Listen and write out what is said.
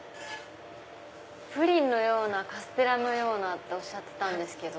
プリンのようなカステラのようなとおっしゃってたんですけど。